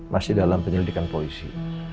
masih dalam penyelidikan poisi